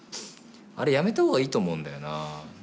あれやめた方がいいと思うんだよな。